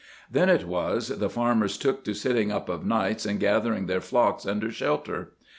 Then it was the farmers took to sitting up of nights and gathering their flocks under shelter.